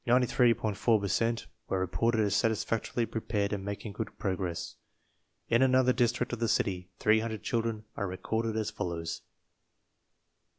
4 per cent were re ported as satisfactorily prepared and making good progress. In another district of the city, 300 children are re corded as follows: 1.